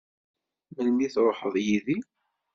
Melmi i tṛuḥeḍ yid-i?